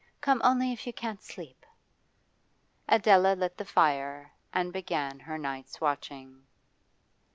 Come only if you can't sleep.' Adela lit the fire and began her night's watching.